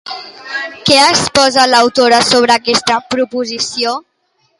Què exposa l'autora sobre aquesta proposició?